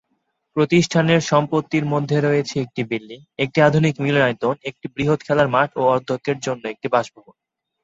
প্রতিষ্ঠানের সম্পত্তির মধ্যে রয়েছে একটি বিল্ডিং, একটি আধুনিক মিলনায়তন, একটি বৃহৎ খেলার মাঠ এবং অধ্যক্ষের জন্য একটি বাসভবন।